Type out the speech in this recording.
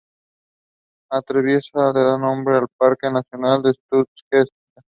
Atraviesa y da nombre al Parque nacional Sutjeska.